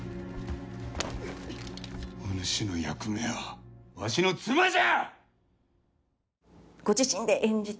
おぬしの役目はわしの妻じゃ！